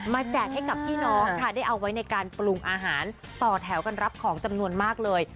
แจกให้กับพี่น้องค่ะได้เอาไว้ในการปรุงอาหารต่อแถวกันรับของจำนวนมากเลย